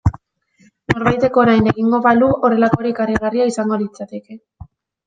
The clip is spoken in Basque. Norbaitek orain egingo balu horrelakorik harrigarria izango litzateke.